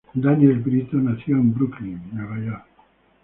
Daniel Brito nació en Brooklyn, Nueva York.